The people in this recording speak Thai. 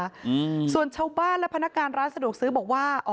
อืมส่วนชาวบ้านและพนักงานร้านสะดวกซื้อบอกว่าอ๋อ